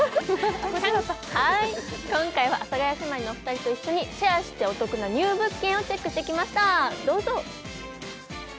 今回は阿佐ヶ谷姉妹と一緒にシェアしてお得なＮＥＷ物件をチェックしてきました、どうぞ。